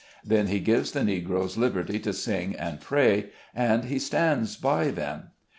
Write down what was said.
Then he gives the Negroes liberty to sing and pray, and he stands by them.